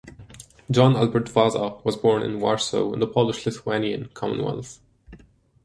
John Albert Vasa was born in Warsaw in the Polish-Lithuanian Commonwealth.